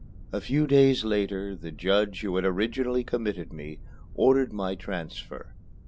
A few days later the judge who had originally committed me ordered my transfer.